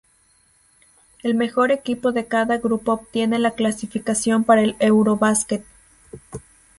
El mejor equipo de cada grupo obtiene la clasificación para el EuroBasket.